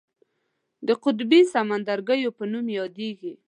د قطبي سمندرګیو په نوم یادیږي.